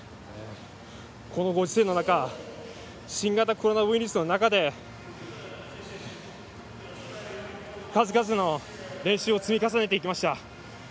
このご時世の中新型コロナウイルスの中で数々の練習を積み重ねてきました。